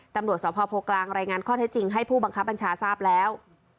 ตำรวจสพโพกลางรายงานข้อเท็จจริงให้ผู้บังคับบัญชาทราบแล้ว